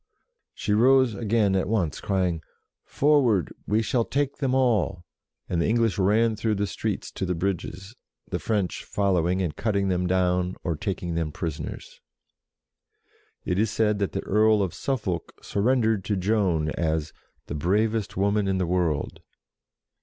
She rose again at once, crying, " Forward, we shall take them all," and the English ran through the streets to the bridges, the French following and cutting them down, or taking them prisoners. It is said that the Earl of Suffolk surrendered to Joan, as "the bravest woman in the world."